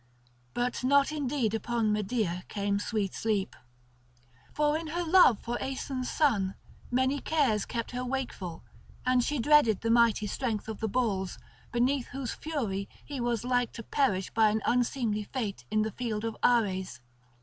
But not indeed upon Medea came sweet sleep. For in her love for Aeson's son many cares kept her wakeful, and she dreaded the mighty strength of the bulls, beneath whose fury he was like to perish by an unseemly fate in the field of Ares.